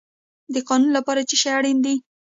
د قانون لپاره څه شی اړین دی؟